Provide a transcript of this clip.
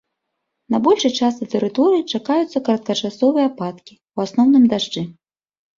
На большай частцы тэрыторыі чакаюцца кароткачасовыя ападкі, у асноўным дажджы.